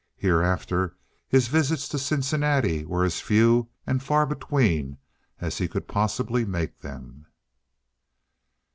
Hereafter his visits to Cincinnati were as few and far between as he could possibly make them.